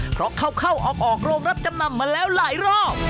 เพราะเข้าออกรมดับจำนำได้มาใหลรอบ